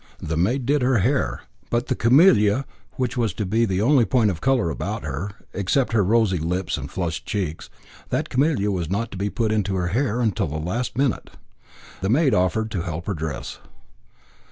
The maid did her hair, but the camellia, which was to be the only point of colour about her, except her rosy lips and flushed cheeks that camellia was not to be put into her hair till the last minute. The maid offered to help her to dress.